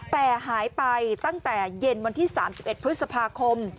แต่หายไปตั้งแต่เย็นวันที่๓๑พฤษภาคม